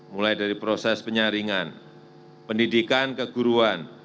mulai dari proses penyaringan pendidikan keguruan